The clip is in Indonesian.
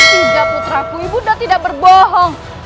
tidak putraku ibu nda tidak berbohong